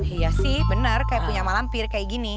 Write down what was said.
iya sih bener kayak punya malam bir kayak gini